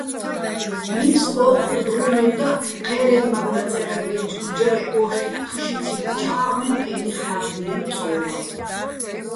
ნიფს ო́ჴუჸ დროჲლუჼ და ჴე́რენმაქ დაწე́რადიენჩო̆ გუჯარე ო́შტიჸ "თუში-ციჼ" "ჩა́ღმენო̆" ფე́ნიხ ჰ̦ა́ბდიენო̆ "წოვა".